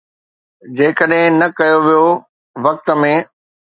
جيڪڏهن نه ڪيو ويو، وقت ۾